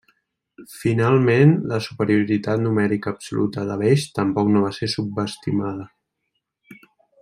Finalment, la superioritat numèrica absoluta de l'Eix tampoc no pot ser subestimada.